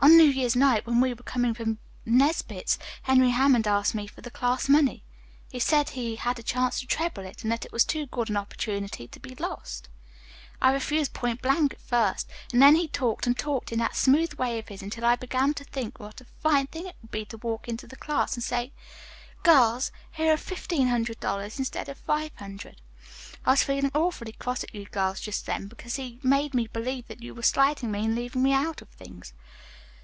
"On New Year's Night, when we were coming from Nesbits, Henry Hammond asked me for the class money. He said he had a chance to treble it, and that it was too good an opportunity to be lost. "I refused point blank at first, and then he talked and talked in that smooth way of his until I began to think what a fine thing it would be to walk into the class and say, 'Girls, here are fifteen hundred dollars instead of five hundred.' I was feeling awfully cross at you girls just then, because he made me believe that you were slighting me and leaving me out of things.